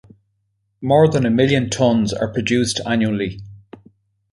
More than a million tons are produced annually.